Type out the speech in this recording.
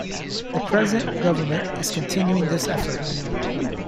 The present government is continuing this effort.